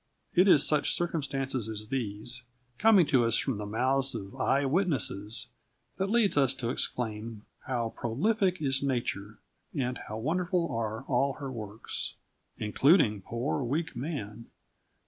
It is such circumstances as these, coming to us from the mouths of eye witnesses, that leads us to exclaim: How prolific is nature and how wonderful are all her works including poor, weak man!